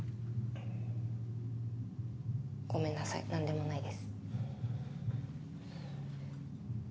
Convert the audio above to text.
ごめんなさい何でもないです。